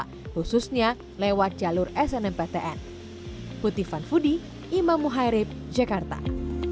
khususnya lewat jalur snmptn